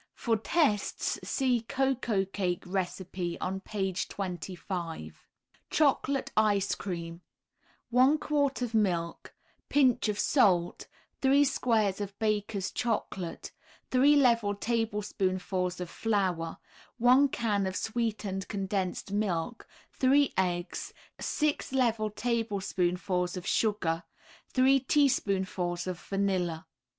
For tests see Cocoa Cake recipe on page 25. CHOCOLATE ICE CREAM 1 quart of milk, Pinch of salt, 3 squares of Baker's Chocolate, 3 level tablespoonfuls of flour, 1 can of sweetened condensed milk, 3 eggs, 6 level tablespoonfuls of sugar, 3 teaspoonfuls of vanilla.